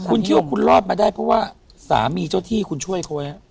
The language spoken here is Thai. คุณคิดว่าคุณรอดมาได้เพราะว่าสามีเจ้าที่คุณช่วยเขาไว้